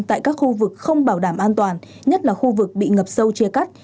tại các khu vực không bảo đảm an toàn nhất là khu vực bị ngập sâu chia cắt